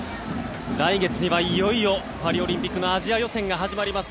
来月にはいよいよパリオリンピックのアジア予選が始まります。